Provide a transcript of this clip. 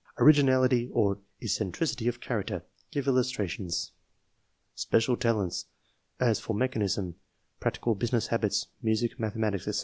Originality or eccentricity of character (give illus trations) ? Special talents, as for mechanism, practi cal business habits, music, mathematics, &c.